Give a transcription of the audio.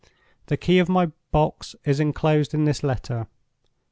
The key of my box is inclosed in this letter.